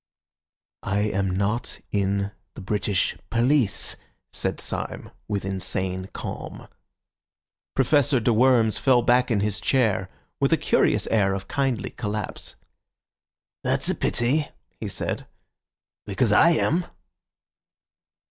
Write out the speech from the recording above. "I am not in the British police," said Syme with insane calm. Professor de Worms fell back in his chair with a curious air of kindly collapse. "That's a pity," he said, "because I am."